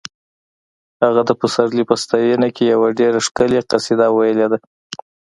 هغه د پسرلي په ستاینه کې یوه ډېره ښکلې قصیده ویلې ده